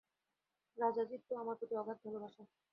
রাজাজীর তো আমার প্রতি অগাধ ভালবাসা।